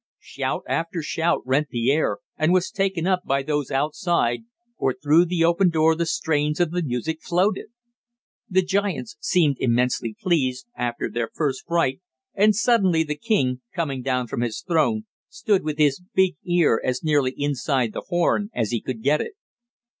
Shout after shout rent the air, and was taken up by those outside, for through the open door the strains of music floated. The giants seemed immensely pleased, after their first fright, and suddenly the king, coming down from his throne, stood with his big ear as nearly inside the horn as he could get it.